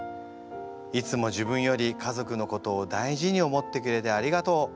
いつも自分より家族のことを大事に思ってくれてありがとう。